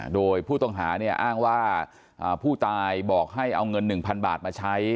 โดยผู้ต้องหาเนี่ยอ้างว่าผู้ตายบอกให้เอาเงิน๑๐๐๐บาทมาใช้